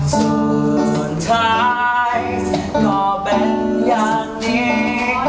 ส่วนชายก็เป็นอย่างนี้